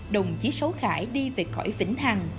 đồng chí sáu khải đi về khỏi vĩnh hằng